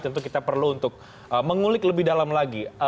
tentu kita perlu untuk mengulik lebih dalam lagi